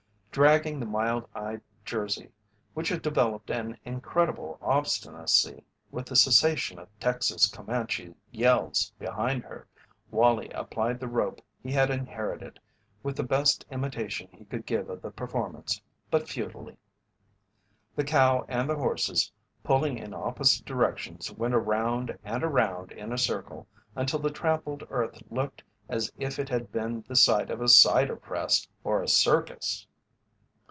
Dragging the mild eyed Jersey, which had developed an incredible obstinacy with the cessation of Tex's Comanche yells behind her, Wallie applied the rope he had inherited, with the best imitation he could give of the performance, but futilely. The cow and the horses pulling in opposite directions went around and around in a circle until the trampled earth looked as if it had been the site of a cider press or a circus.